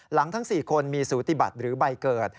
ทั้ง๔คนมีสูติบัติหรือใบเกิด